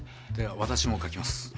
では私も書きます。